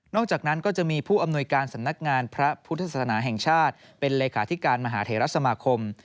อกจากนั้นก็จะมีผู้อำนวยการสำนักงานพระพุทธศาสนาแห่งชาติเป็นเลขาธิการมหาเทรสมาคม